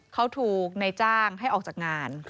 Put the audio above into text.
เขาถูกในจ้างให้ออกจากงาน